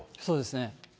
そうですね。